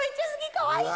かわいい。